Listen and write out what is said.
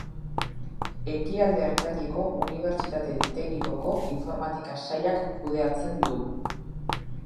Ekialde Ertaineko Unibertsitate Teknikoko informatika sailak kudeatzen du.